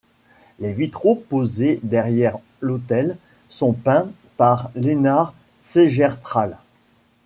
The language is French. Les vitraux posés derrière l'autel sont peints par Lennart Segerstråle.